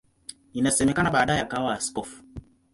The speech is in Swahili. Inasemekana baadaye akawa askofu.